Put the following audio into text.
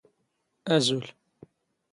ⴰⵣⵓⵍ